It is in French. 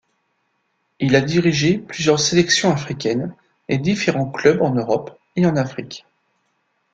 Il a dirigé plusieurs sélections africaines, et différents clubs en Europe et en Afrique.